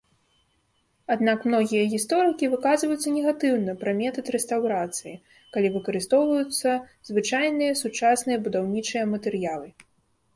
Аднак многія гісторыкі выказваюцца негатыўна пра метад рэстаўрацыі, калі выкарыстоўваюцца звычайныя сучасныя будаўнічыя матэрыялы.